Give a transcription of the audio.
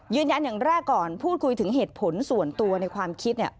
ยืนยันอย่างแรกก่อนพูดคุยถึงเหตุผลส่วนตัวในความคิด